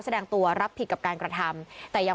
แสดงตัวรับผิดกับการกระทำ